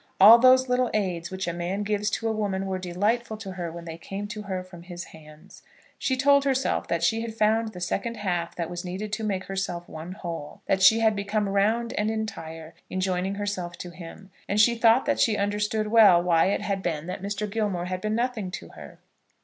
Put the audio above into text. All those little aids which a man gives to a woman were delightful to her when they came to her from his hands. She told herself that she had found the second half that was needed to make herself one whole; that she had become round and entire in joining herself to him; and she thought that she understood well why it had been that Mr. Gilmore had been nothing to her.